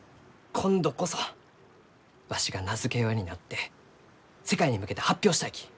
今度こそわしが名付け親になって世界に向けて発表したいき。